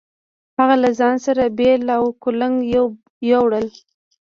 هغه له ځان سره بېل او کُلنګ يو وړل.